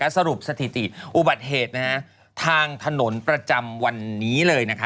สรุปสถิติอุบัติเหตุทางถนนประจำวันนี้เลยนะคะ